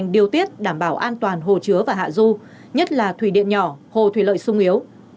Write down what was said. điều tiết đảm bảo an toàn hồ chứa và hạ du nhất là thủy điện nhỏ hồ thủy lợi sung yếu